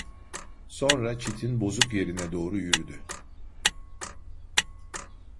Sonra çitin bozuk yerine doğru yürüdü.